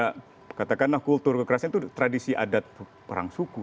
karena katakanlah kultur kekerasan itu tradisi adat perang suku